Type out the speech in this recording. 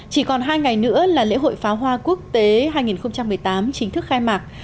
chỉ còn hai ngày nữa là lễ hội pháo hoa quốc tế hai nghìn một mươi tám chính thức khai mạc